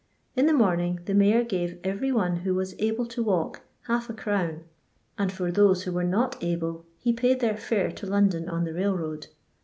In the morning the mayor gave every one who waf able to walk half arcrown, and for those who were not able he paid their fiire to London on tl .e railroad.